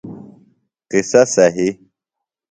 قصہ صہی